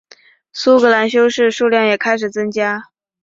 苏格兰修士数量也开始增加。